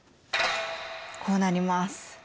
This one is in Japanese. こうなります。